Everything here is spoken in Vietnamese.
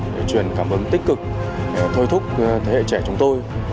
để truyền cảm ứng tích cực thối thúc thế hệ trẻ chúng tôi